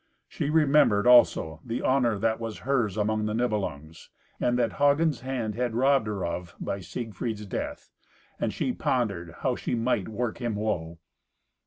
She remembered also the honour that was hers among the Nibelungs, and that Hagen's hand had robbed her of by Siegfried's death, and she pondered how she might work him woe.